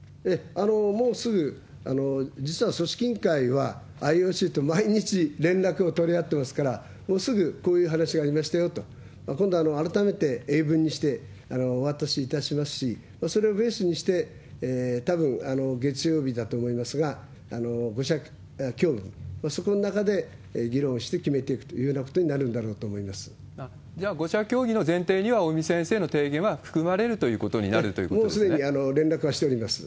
もう、すぐ、実は組織委員会はＩＯＣと毎日連絡を取り合っておりますから、もう、すぐこういう話がありましたよと、今度、改めて英文にして、お渡しいたしますし、それをベースにしてたぶん月曜日だと思いますが、５者協議、そこの中で議論して決めていくというようなことになるんだと思いじゃあ、５者協議の前提には尾身先生の提言は含まれるということになるともうすでに連絡はしておりま